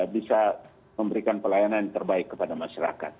bisa memberikan pelayanan yang terbaik kepada masyarakat